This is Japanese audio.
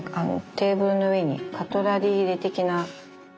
テーブルの上にカトラリー入れ的な。